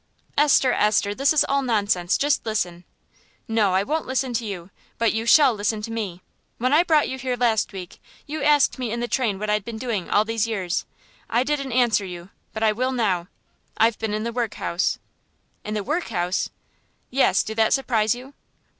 "Esther, Esther, this is all nonsense. Just listen." "No, I won't listen to you. But you shall listen to me. When I brought you here last week you asked me in the train what I had been doing all these years. I didn't answer you, but I will now. I've been in the workhouse." "In the workhouse!" "Yes, do that surprise you?"